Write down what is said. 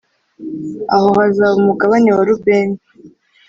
aho hazaba umugabane wa Rubeni